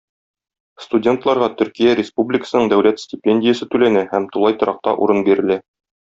Студентларга Төркия Республикасының дәүләт стипендиясе түләнә һәм тулай торакта урын бирелә.